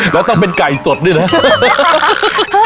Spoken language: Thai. แล้วต้องเป็นไก่สดนี่แหละ